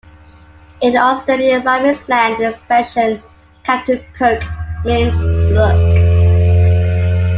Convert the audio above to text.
In Australian rhyming slang the expression "Captain Cook" means "look".